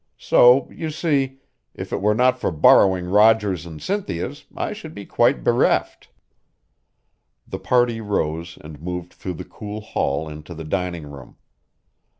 So, you see, if it were not for borrowing Roger's and Cynthia's, I should be quite bereft." The party rose and moved through the cool hall into the dining room.